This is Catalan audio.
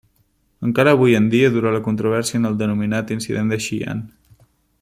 Encara avui en dia dura la controvèrsia en el denominat Incident de Xi'an.